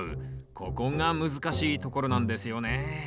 ここが難しいところなんですよね。